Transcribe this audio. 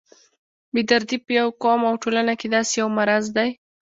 بې دردي په یو قوم او ټولنه کې داسې یو مرض دی.